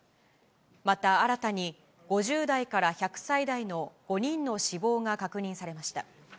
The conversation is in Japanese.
また新たに、５０代から１００歳代の５人の死亡が確認されました。